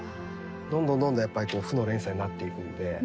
どんどんどんどんやっぱり負の連鎖になっていくんで。